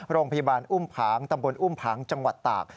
โรงพยาบาลอุ้มผางตำบลอุ้มผางจังหวัดตาก